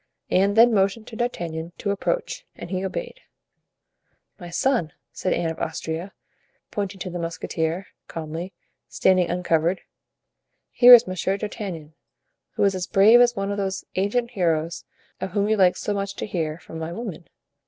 Anne then motioned to D'Artagnan to approach, and he obeyed. "My son," said Anne of Austria, pointing to the musketeer, calm, standing uncovered, "here is Monsieur d'Artagnan, who is as brave as one of those ancient heroes of whom you like so much to hear from my women.